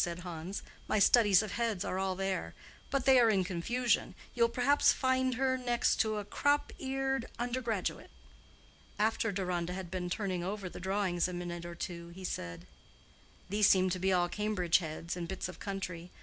said Hans. "My studies of heads are all there. But they are in confusion. You will perhaps find her next to a crop eared undergraduate." After Deronda had been turning over the drawings a minute or two, he said, "These seem to be all Cambridge heads and bits of country.